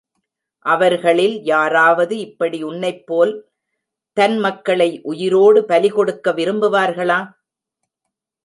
அவர்களில் யாராவது இப்படி உன்னைப் போல் தன் மக்களே உயிரோடு பலிகொடுக்க விரும்புவார்களா?